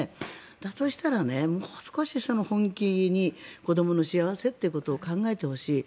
だとしたら、もう少し本気に子どもの幸せということを考えてほしい。